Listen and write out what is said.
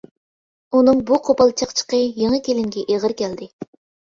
ئۇنىڭ بۇ قوپال چاقچىقى يېڭى كېلىنگە ئېغىر كەلدى.